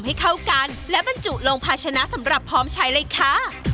ให้เข้ากันและบรรจุลงภาชนะสำหรับพร้อมใช้เลยค่ะ